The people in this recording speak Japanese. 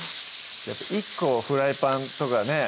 １個フライパンとかね